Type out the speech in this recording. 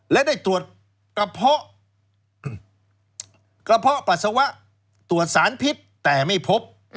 และได้ตรวจกระเพาะกระเพาะปัสสาวะตรวจสารพิษแต่ไม่พบ